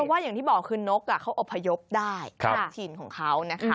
แต่ว่าอย่างที่บอกคือนกเขาอบภยพได้ถิ่นของเขา